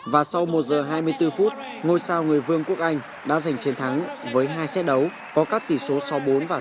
và sau một giờ hai mươi bốn phút ngôi sao người vương quốc anh đã giành chiến thắng với hai xe đấu có các tỷ số sáu mươi bốn và sáu mươi ba